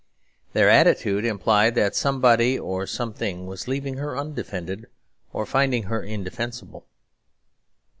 Their attitude implied that somebody or something was leaving her undefended, or finding her indefensible.